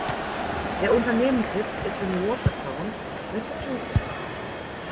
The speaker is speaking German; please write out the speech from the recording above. Der Unternehmenssitz ist in Watertown, Massachusetts.